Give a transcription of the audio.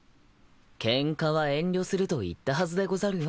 ケンカは遠慮すると言ったはずでござるよ。